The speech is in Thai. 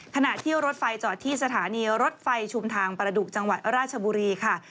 ขณะที่รถไฟจอดที่สถานีรถไฟชุมทางประดุกจังหวัดราชบุรีค่ะ